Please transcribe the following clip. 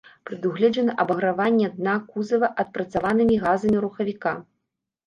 Прадугледжана абаграванне дна кузава адпрацаванымі газамі рухавіка.